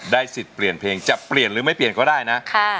สิทธิ์เปลี่ยนเพลงจะเปลี่ยนหรือไม่เปลี่ยนก็ได้นะ